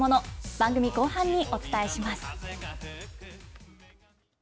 番組後半にお伝えします。